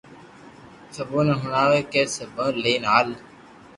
سبوني ھڻاوھ ڪي سبونو لئين ھال